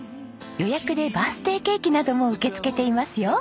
予約でバースデーケーキなども受け付けていますよ。